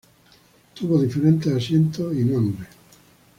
Tuvo diferentes asientos y nombres.